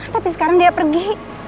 tapi sekarang dia pergi